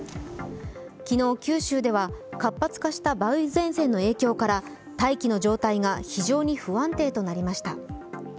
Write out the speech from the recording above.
昨日、九州では活発化した梅雨前線の影響から大気の状態が非常に不安定となりました。